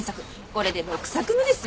これで６作目ですよ。